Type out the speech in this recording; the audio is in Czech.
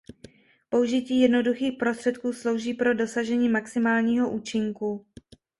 Použití jednoduchých prostředků slouží pro dosažení maximálního účinku.